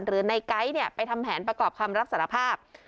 ในไก๊เนี่ยไปทำแผนประกอบคำรับสารภาพ